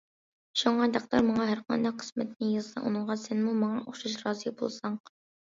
شۇڭا تەقدىر ماڭا ھەرقانداق قىسمەتنى يازسا، ئۇنىڭغا سەنمۇ ماڭا ئوخشاش رازى بولساڭ.